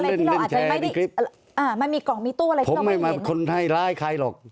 ที่เราอาจจะไม่ได้อ่ามันมีกล่องมีตู้อะไรพวกเราไม่มาคนให้ร้ายใครหรอก